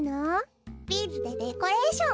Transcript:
ビーズでデコレーション。